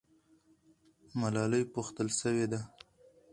ملالۍ پوښتل سوې ده.